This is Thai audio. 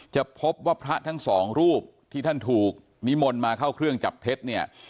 จะพบว่าพระทั้งสองรูปที่ท่านถูกนิมนต์มาเข้าเครื่องจับเท็จเนี่ย